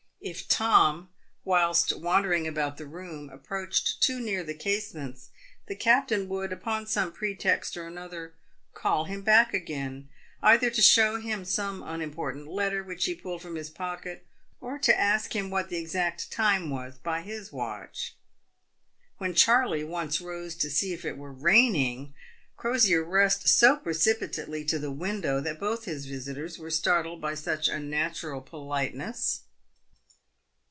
If Tom, whilst wandering about the room, ap proached too near the casements, the captain would, upon some pre text or another, call him back again, either to show him some unim portant letter, which he pulled from his pocket, or to ask him what the exact time was by his w atch. When Charley once rose to see if it were raining, Crosier rushed so precipitately to the window that both his visitors were startled by such unnatural politeness.